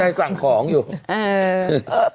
ใครสั่งของอยู่เออ